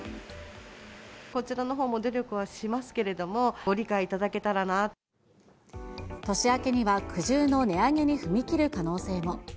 こちらのほうも努力はします年明けには苦渋の値上げに踏み切る可能性も。